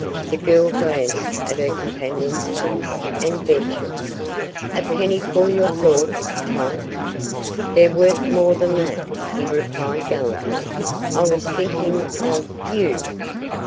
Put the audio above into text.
The girl glanced at her companion's face, and ventured: "A penny for your thoughts, Tom." "They're worth more than that," he replied gallantly. "I was thinking of you."